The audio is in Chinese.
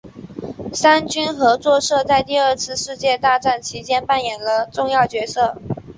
三军合作社在第二次世界大战其间扮演了重要的角色。